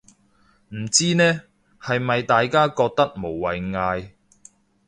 唔知呢，係咪大家覺得無謂嗌